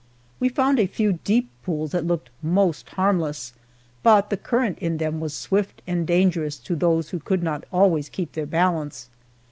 We found a few deep pools that looked most harmless, but the current in them was swift and dangerous to those who could not always keep their balance.